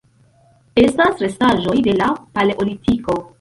Estas restaĵoj de la Paleolitiko.